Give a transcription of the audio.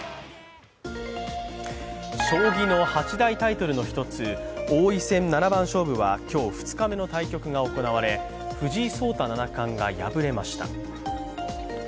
将棋の八大タイトルの１つ王位戦七番勝負は今日２日目の対局が行われ、藤井聡太七冠が敗れました。